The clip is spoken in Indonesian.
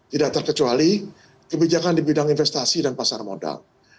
tidak terkecuali kebijakan di bidang investasi dan pasar modal